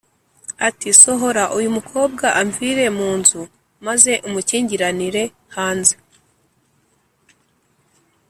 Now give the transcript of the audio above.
ati “Sohora uyu mukobwa amvire mu nzu, maze umukingiranire hanze.”